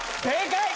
正解！